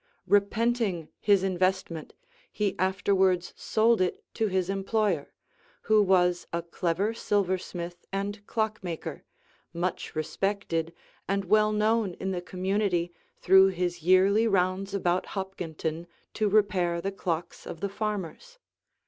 Repenting his investment, he afterwards sold it to his employer, who was a clever silversmith and clock maker, much respected and well known in the community through his yearly rounds about Hopkinton to repair the clocks of the farmers.